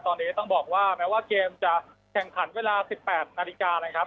ตอนนี้ต้องบอกว่าแม้ว่าเกมจะแข่งขันเวลา๑๘นาฬิกานะครับ